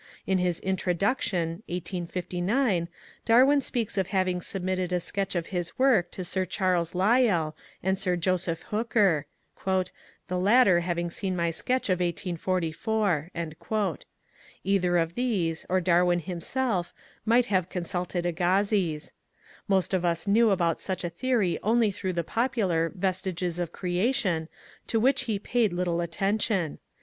In his Introduction (1869) Darwin speaks of having submitted a sketch of his work to Sir Charles Lyell and Sir Joseph Hooker, —^^ the latter having seen my sketch of 1844." Either of these, or Darwin himself, might have consulted Agassiz. Most of us knew about such a theory only through the popular ^^ Vestiges of Creation," to which he paid little attention.